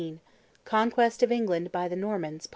CONQUEST OF ENGLAND BY THE NORMANS.